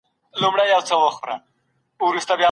هر بدن د خوړو پر وړاندې یو شان نه دی.